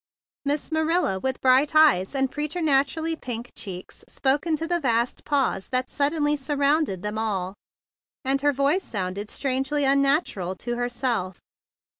Miss Marilla with bright eyes and preternaturally pink cheeks spoke into the vast pause that suddenly sur¬ rounded them all, and her voice sounded strangely unnatural to herself.